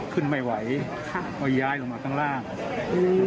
ขึ้นไม่ไหวค่ะก็ย้ายลงมาข้างล่างอืม